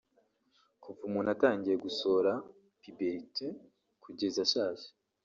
kuva umuntu atangiye gusohora (puberite) kugeza ashaje